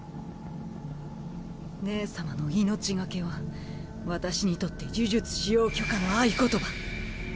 姉様の「命懸け」は私にとって呪術使用許可の合言葉。